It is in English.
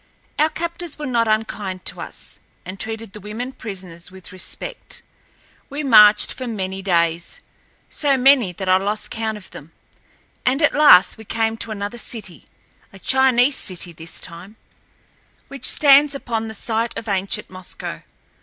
Our captors were not unkind to us, and treated the women prisoners with respect. We marched for many days—so many that I lost count of them—and at last we came to another city—a Chinese city this time—which stands upon the site of ancient Moscow.